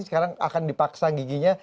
sekarang akan dipaksa giginya